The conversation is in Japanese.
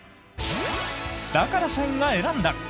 だから社員が選んだ！